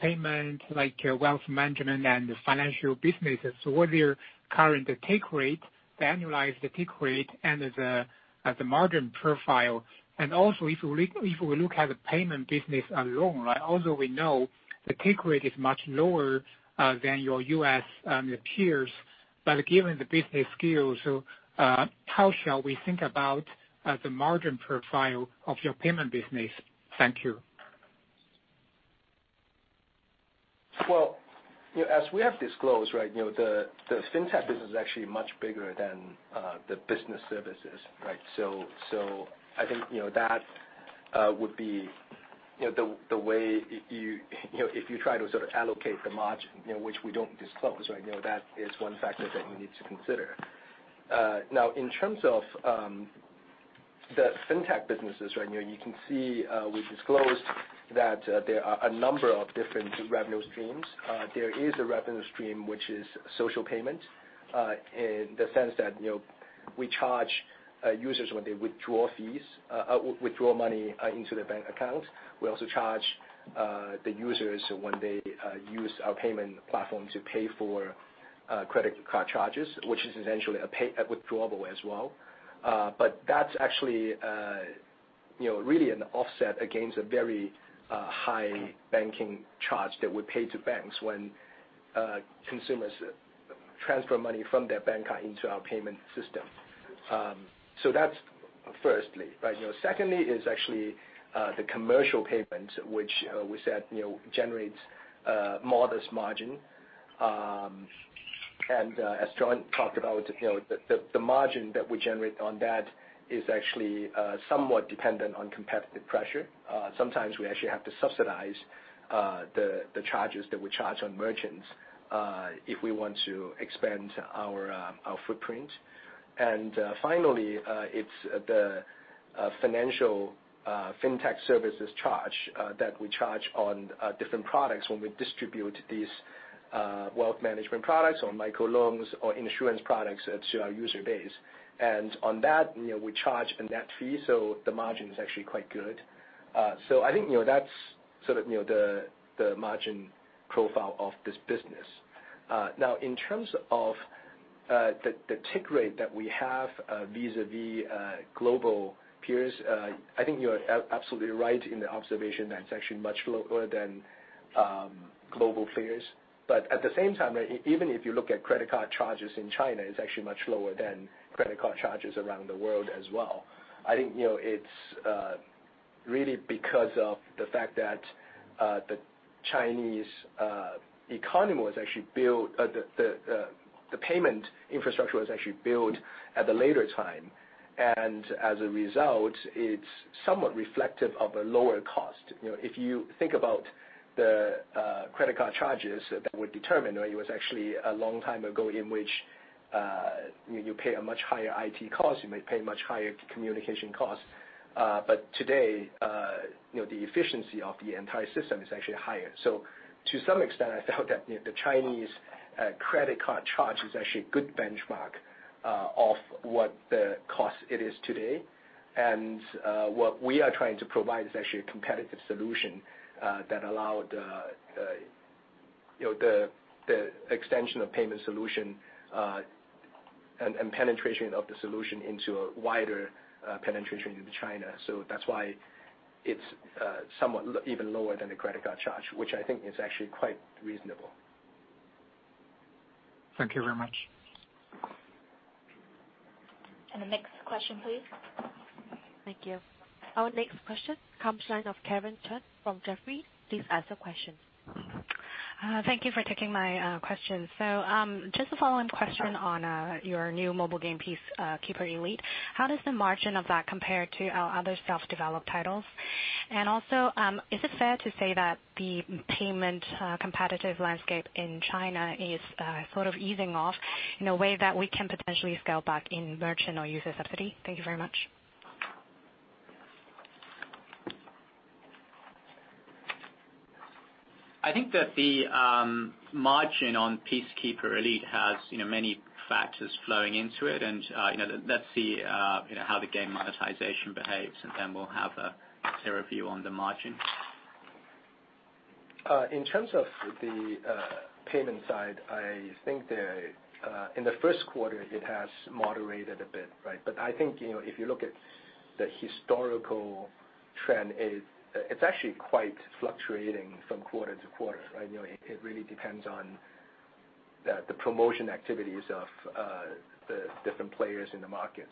payment, like wealth management and financial businesses? What are your current take rate, annualized take rate, and the margin profile? If we look at the payment business alone, although we know the take rate is much lower than your U.S. peers, but given the business scale, how shall we think about the margin profile of your payment business? Thank you. Well, as we have disclosed, the FinTech business is actually much bigger than the business services. I think that would be the way, if you try to allocate the margin, which we don't disclose, that is one factor that you need to consider. Now, in terms of the FinTech businesses, you can see we disclosed that there are a number of different revenue streams. There is a revenue stream, which is social payment, in the sense that we charge users when they withdraw money into their bank accounts. We also charge the users when they use our payment platform to pay for credit card charges, which is essentially a withdrawal as well. That's actually really an offset against a very high banking charge that we pay to banks when consumers transfer money from their bank into our payment system. That's firstly. Secondly is actually the commercial payments, which we said generates a modest margin. As John talked about, the margin that we generate on that is actually somewhat dependent on competitive pressure. Sometimes we actually have to subsidize the charges that we charge on merchants if we want to expand our footprint. Finally, it's the financial FinTech services charge that we charge on different products when we distribute these wealth management products or microloans or insurance products to our user base. On that, we charge a net fee, the margin is actually quite good. I think that's the margin profile of this business. Now, in terms of the take rate that we have vis-a-vis global peers, I think you are absolutely right in the observation that it's actually much lower than global peers. At the same time, even if you look at credit card charges in China, it's actually much lower than credit card charges around the world as well. I think it's really because of the fact that the Chinese economy was actually built, the payment infrastructure was actually built at a later time. As a result, it's somewhat reflective of a lower cost. If you think about the credit card charges that were determined, it was actually a long time ago in which you pay a much higher IT cost, you may pay much higher communication cost. Today, the efficiency of the entire system is actually higher. To some extent, I felt that the Chinese credit card charge is actually a good benchmark of what the cost is today. What we are trying to provide is actually a competitive solution that allow the extension of payment solution, and penetration of the solution into a wider penetration into China. That's why it's somewhat even lower than the credit card charge, which I think is actually quite reasonable. Thank you very much. The next question, please. Thank you. Our next question comes line of Kevin Chen from Jefferies. Please ask your question. Thank you for taking my question. Just a follow-on question on your new mobile game, Peacekeeper Elite. How does the margin of that compare to other self-developed titles? Also, is it fair to say that the payment competitive landscape in China is sort of easing off in a way that we can potentially scale back in merchant or user subsidy? Thank you very much. I think that the margin on Peacekeeper Elite has many factors flowing into it, and let's see how the game monetization behaves, and then we'll have a clearer view on the margin. In terms of the payment side, I think that in the first quarter, it has moderated a bit. I think, if you look at the historical trend, it's actually quite fluctuating from quarter to quarter. It really depends on the promotion activities of the different players in the market.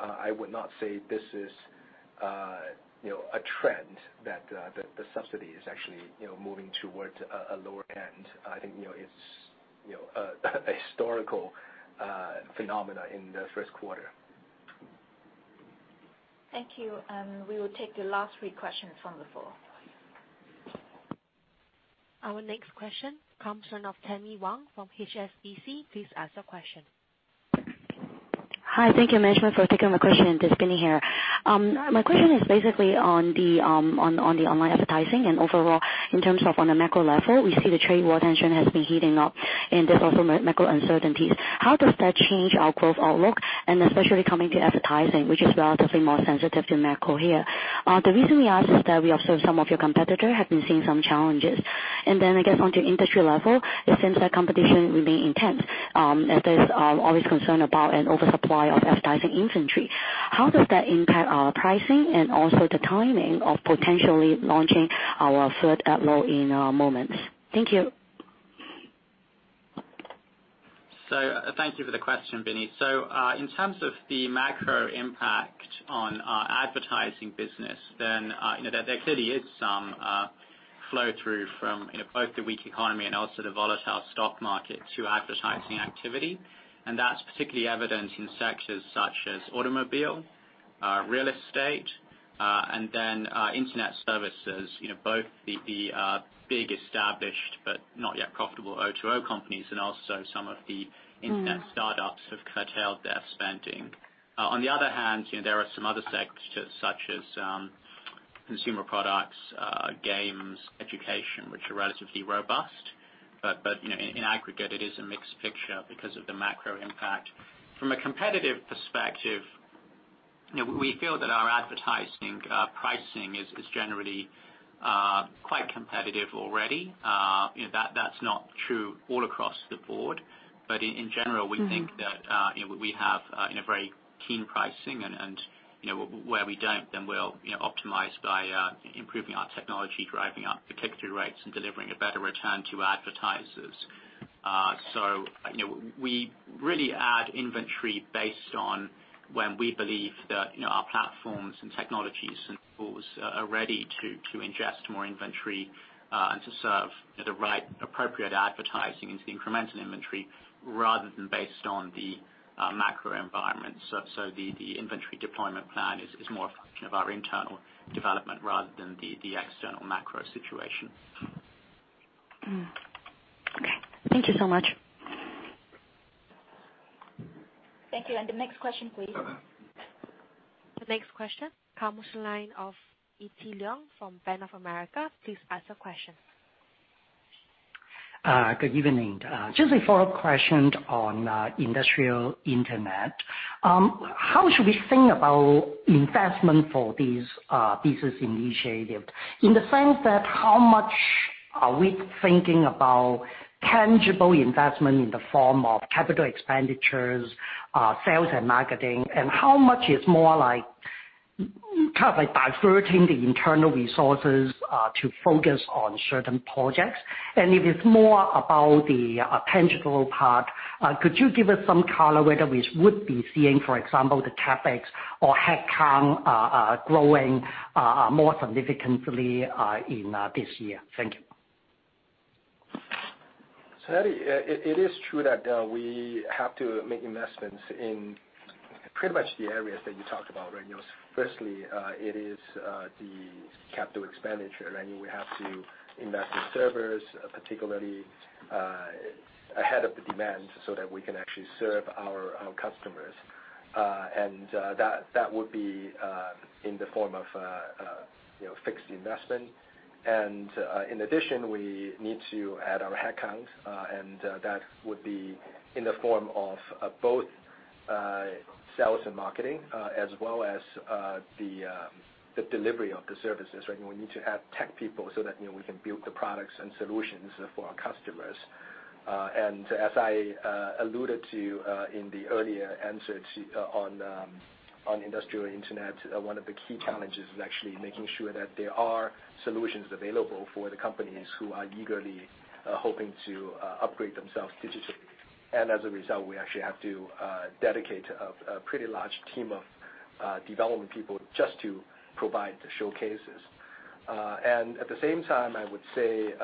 I would not say this is a trend that the subsidy is actually moving towards a lower end. I think it's a historical phenomena in the first quarter. Thank you. We will take the last three questions from the floor. Our next question comes in of Tammy Wong from HSBC. Please ask your question. Hi, thank you management for taking my question. Tammy here. My question is basically on the online advertising and overall, in terms of on a macro level, we see the trade war tension has been heating up and there's also macro uncertainties. How does that change our growth outlook? Especially coming to advertising, which is relatively more sensitive to macro here. The reason we ask is that we observe some of your competitor have been seeing some challenges. Then I guess onto industry level, it seems that competition remain intense, as there's always concern about an oversupply of advertising inventory. How does that impact our pricing and also the timing of potentially launching our third ad load in Moment? Thank you. Thank you for the question, Tammy. In terms of the macro impact on our advertising business, there clearly is some flow-through from both the weak economy and also the volatile stock market to advertising activity. That's particularly evident in sectors such as automobile, real estate, and internet services. Both the big established but not yet profitable O2O companies and also some of the internet startups have curtailed their spending. On the other hand, there are some other sectors such as consumer products, games, education, which are relatively robust. In aggregate, it is a mixed picture because of the macro impact. From a competitive perspective, we feel that our advertising pricing is generally quite competitive already. That's not true all across the board. In general, we think that we have a very keen pricing and, where we don't, we'll optimize by improving our technology, driving up the click-through rates, and delivering a better return to advertisers. We really add inventory based on when we believe that our platforms and technologies and tools are ready to ingest more inventory, and to serve the right, appropriate advertising into the incremental inventory, rather than based on the macro environment. The inventory deployment plan is more a function of our internal development rather than the external macro situation. Thank you so much. Thank you. The next question, please. The next question comes from the line of Yi-Ting Liang from Bank of America. Please ask your question. Good evening. Just a follow-up question on industrial internet. How should we think about investment for this business initiative? In the sense that how much are we thinking about tangible investment in the form of capital expenditures, sales and marketing, and how much is more kind of diverting the internal resources to focus on certain projects? If it's more about the tangible part, could you give us some color whether we would be seeing, for example, the CapEx or head count growing more significantly in this year? Thank you. It is true that we have to make investments in pretty much the areas that you talked about. Firstly, it is the capital expenditure. We have to invest in servers, particularly ahead of the demand so that we can actually serve our customers. That would be in the form of fixed investment. In addition, we need to add our head count, and that would be in the form of both sales and marketing, as well as the delivery of the services. We need to add tech people so that we can build the products and solutions for our customers. As I alluded to in the earlier answer on industrial internet, one of the key challenges is actually making sure that there are solutions available for the companies who are eagerly hoping to upgrade themselves digitally. As a result, we actually have to dedicate a pretty large team of development people just to provide the showcases. At the same time, I would say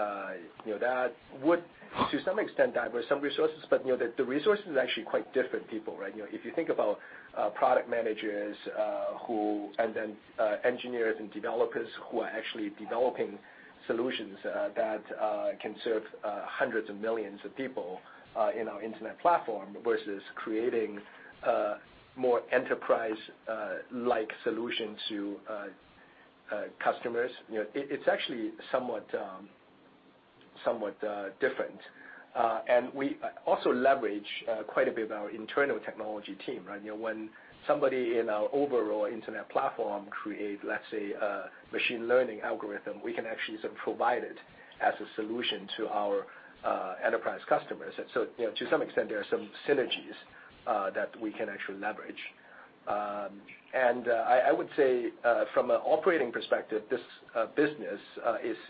that would, to some extent, divert some resources, but the resources are actually quite different people. If you think about product managers and then engineers and developers who are actually developing solutions that can serve hundreds of millions of people in our internet platform, versus creating more enterprise-like solutions to customers, it's actually somewhat different. We also leverage quite a bit of our internal technology team. When somebody in our overall internet platform creates, let's say, a machine learning algorithm, we can actually provide it as a solution to our enterprise customers. To some extent, there are some synergies that we can actually leverage. I would say, from an operating perspective, this business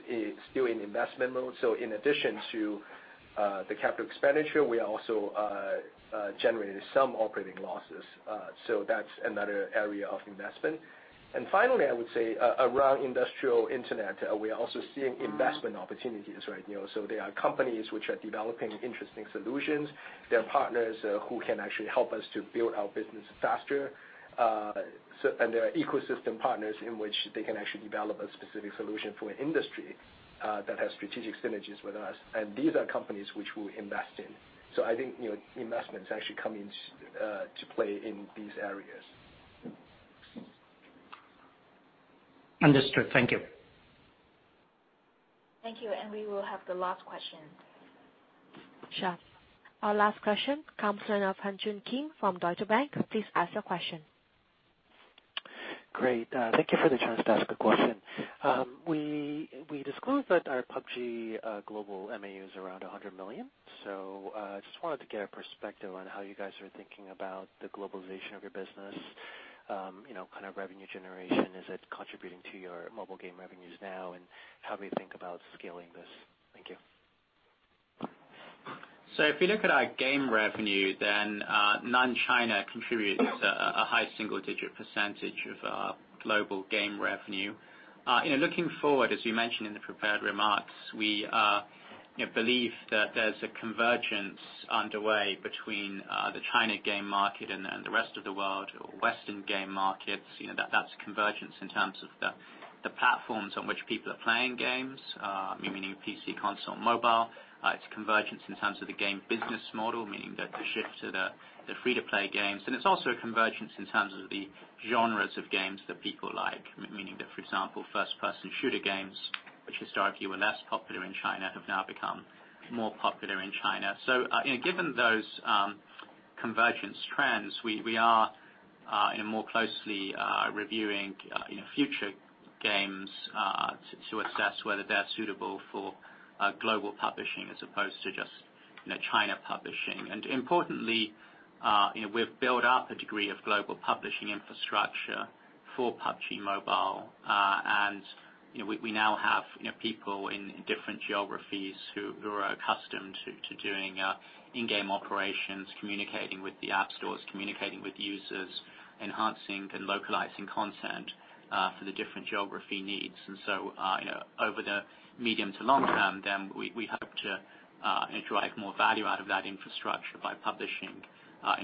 is still in investment mode. In addition to the capital expenditure, we are also generating some operating losses. That's another area of investment. Finally, I would say around industrial internet, we are also seeing investment opportunities. There are companies which are developing interesting solutions. There are partners who can actually help us to build our business faster. There are ecosystem partners in which they can actually develop a specific solution for an industry that has strategic synergies with us, and these are companies which we'll invest in. I think investments actually come into play in these areas. Understood. Thank you. Thank you. We will have the last question. Sure. Our last question comes from the line of Hanjoon Kim from Deutsche Bank. Please ask your question. Great. Thank you for the chance to ask a question. We disclosed that our PUBG global MAU is around 100 million. I just wanted to get a perspective on how you guys are thinking about the globalization of your business kind of revenue generation, is it contributing to your mobile game revenues now, and how do we think about scaling this? Thank you. If you look at our game revenue, then non-China contributes a high single-digit percentage of our global game revenue. Looking forward, as we mentioned in the prepared remarks, we believe that there's a convergence underway between the China game market and the rest of the world, or Western game markets. That's convergence in terms of the platforms on which people are playing games, meaning PC, console, mobile. It's convergence in terms of the game business model, meaning the shift to the free-to-play games. It's also a convergence in terms of the genres of games that people like, meaning that, for example, first-person shooter games, which historically were less popular in China, have now become more popular in China. Given those convergence trends, we are more closely reviewing future games to assess whether they're suitable for global publishing as opposed to just China publishing. Importantly, we've built up a degree of global publishing infrastructure for PUBG Mobile. We now have people in different geographies who are accustomed to doing in-game operations, communicating with the app stores, communicating with users, enhancing and localizing content for the different geography needs. Over the medium to long term, then we hope to derive more value out of that infrastructure by publishing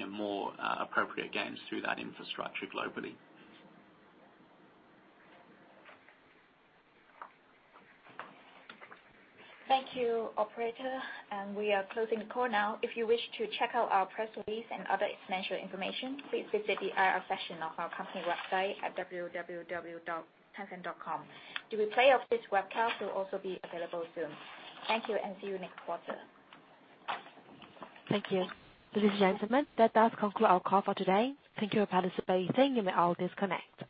more appropriate games through that infrastructure globally. Thank you, operator. We are closing the call now. If you wish to check out our press release and other financial information, please visit the IR section of our company website at www.tencent.com. The replay of this webcast will also be available soon. Thank you. See you next quarter. Thank you. Ladies and gentlemen, that does conclude our call for today. Thank you for participating. You may all disconnect.